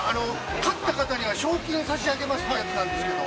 勝った方には賞金差し上げますというやつなんですけど。